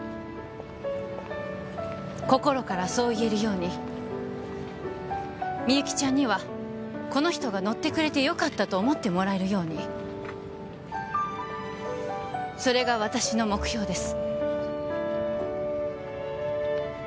心からそう言えるようにみゆきちゃんにはこの人が乗ってくれてよかったと思ってもらえるようにそれが私の目標です